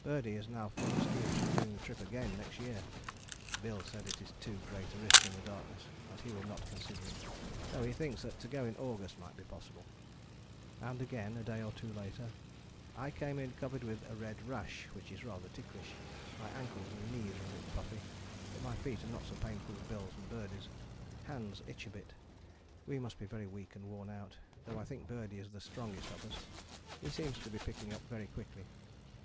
Birdie is now full of schemes for doing the trip again next year. Bill says it is too great a risk in the darkness, and he will not consider it, though he thinks that to go in August might be possible." And again a day or two later: "I came in covered with a red rash which is rather ticklish. My ankles and knees are a bit puffy, but my feet are not so painful as Bill's and Birdie's. Hands itch a bit. We must be very weak and worn out, though I think Birdie is the strongest of us. He seems to be picking up very quickly.